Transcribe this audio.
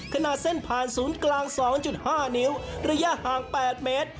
ขนาดเส้นผ่านศูนย์กลาง๒๕นิ้วระยะห่าง๘เมตร